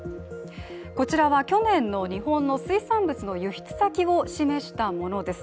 こちらは去年の日本の水産物の輸出先を示したものです。